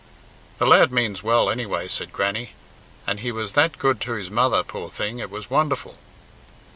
"The lad means well, anyway," said Grannie; "and he was that good to his mother, poor thing it was wonderful."